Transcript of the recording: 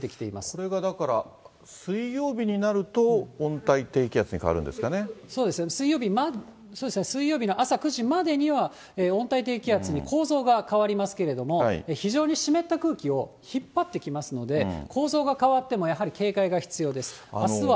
これがだから、水曜日になると、温帯低気圧に変わるんですかそうですね、水曜日の朝９時までには、温帯低気圧に構造が変わりますけれども、非常に湿った空気を引っ張ってきますので、構造が変わっても、やはり警戒が必要です。